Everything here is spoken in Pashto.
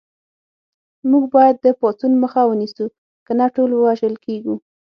موږ باید د پاڅون مخه ونیسو کنه ټول وژل کېږو